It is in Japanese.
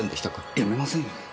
読めませんよ。